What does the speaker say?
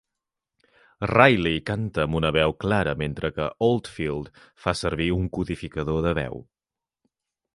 Reilly canta amb una veu clara mentre que Oldfield fa servir un codificador de veu.